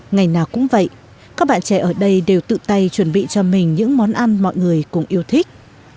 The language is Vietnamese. ngày nào cũng vậy các bạn trẻ ở đây đều tự tay chuẩn bị cho mình những món ăn mọi người cũng yêu thích